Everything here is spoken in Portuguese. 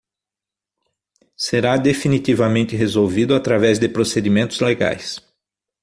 Será definitivamente resolvido através de procedimentos legais